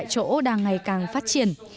chỗ đang ngày càng phát triển